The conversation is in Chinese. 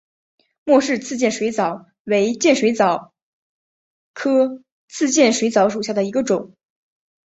莫氏刺剑水蚤为剑水蚤科刺剑水蚤属下的一个种。